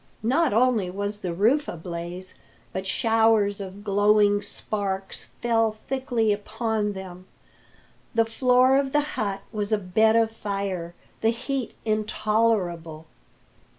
Not only was the roof ablaze, but showers of glowing sparks fell thickly upon them. The floor of the hut was a bed of fire, the heat intolerable.